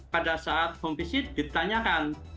pada saat home visit ditanyakan